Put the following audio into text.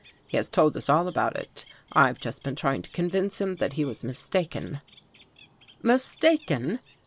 He has told us all about it. I've just been trying to convince him that he was mistaken." " Mistaken